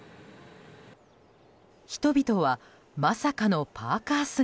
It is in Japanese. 人々は、まさかのパーカ姿。